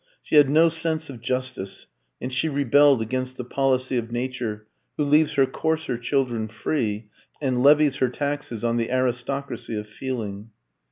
She had no sense of justice; and she rebelled against the policy of Nature, who leaves her coarser children free, and levies her taxes on the aristocracy of feeling.